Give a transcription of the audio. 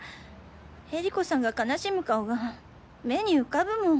恵理子さんが悲しむ顔が目に浮かぶもん。